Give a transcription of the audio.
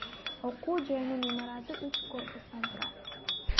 Окуу жайынын имараты үч корпустан турат.